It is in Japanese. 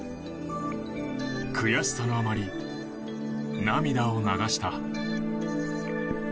悔しさのあまり涙を流した。